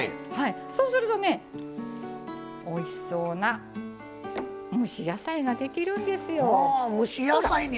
そうすると、おいしそうな蒸し野菜ができるんですよ。